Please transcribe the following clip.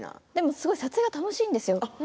すごく撮影が楽しいんです。